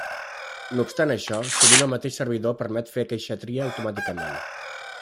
No obstant això, sovint el mateix servidor permet fer aqueixa tria automàticament.